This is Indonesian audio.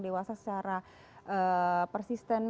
dewasa secara persisten